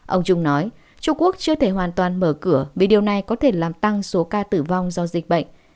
ông trung nói trung quốc chưa thể hoàn toàn mở cửa vì điều này có thể làm tăng số ca tử vong do dịch bệnh